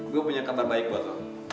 gue punya kabar baik buat aku